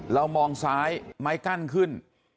เรามองซ้ายไม้กั้นขึ้น